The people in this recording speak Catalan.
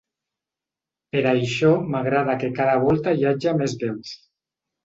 Per això m’agrada que cada volta hi haja més veus.